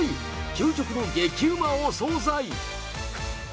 究極の激うまお総菜。